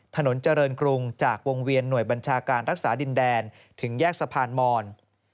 ถนนเจริญกรุงจากวงเวียนหน่วยบัญชาการรักษาดินแดนถึงแยกสะพานมอน